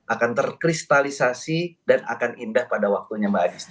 akan terkristalisasi dan akan indah pada waktunya mbak aris